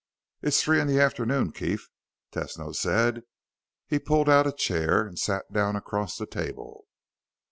"It's three in the afternoon, Keef," Tesno said. He pulled out a chair and sat down across the table.